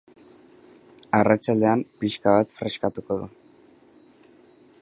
Arratsaldean pixka bat freskatuko du.